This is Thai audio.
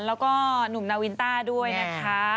แล้วก็หนุ่มนาวินต้าด้วยนะคะ